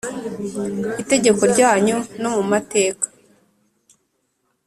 itegeko ryanyu no mu mateka